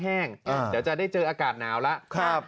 เดี๋ยวจะได้เจออากาศหนาวแล้ว